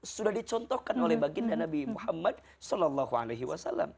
sudah dicontohkan oleh baginda nabi muhammad saw